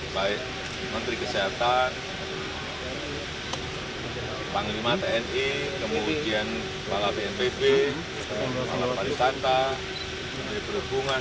baik menteri kesehatan panglima tni kemudian kepala bnpb kepala pariwisata menteri perhubungan